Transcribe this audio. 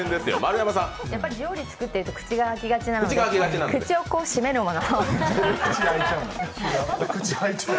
料理作ってると口が開きがちなので、口をこう閉めるもの。